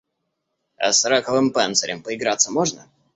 А с раковым панцирем поиграться можно?